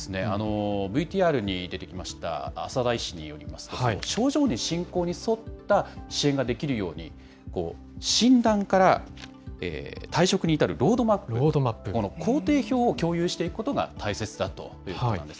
ＶＴＲに出てきました朝田医師によりますと、症状に進行に沿った支援ができるように、診断から退職に至るロードマップ、工程表を共有していくことが大切だということなんです